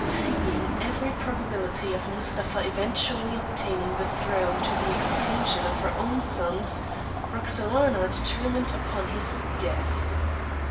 Seeing every probability of Mustapha eventually obtaining the throne to the exclusion of her own sons, Roxelana determined upon his death.